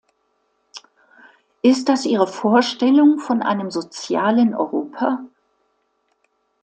Ist das Ihre Vorstellung von einem sozialen Europa?